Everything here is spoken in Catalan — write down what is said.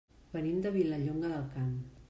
Venim de Vilallonga del Camp.